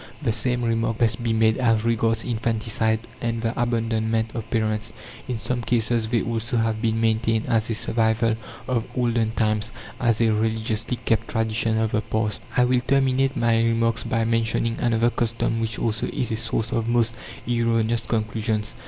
The same remark must be made as regards infanticide and the abandonment of parents. In some cases they also have been maintained as a survival of olden times, as a religiously kept tradition of the past. I will terminate my remarks by mentioning another custom which also is a source of most erroneous conclusions.